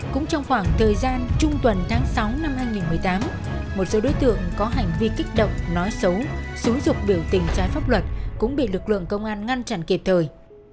cũng trong khoảng thời gian trung tuần tháng sáu năm hai nghìn một mươi tám một số đối tượng có hành vi kích động nói xấu xúi dục biểu tình trái pháp luật cũng bị lực lượng công an ngăn chặn kịp thời